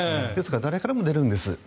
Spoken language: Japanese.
誰からも出るんです。